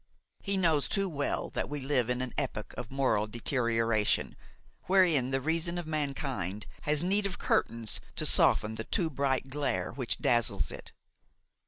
He knows too well that we live in an epoch of moral deterioration, wherein the reason of mankind has need of curtains to soften the too bright glare which dazzles it.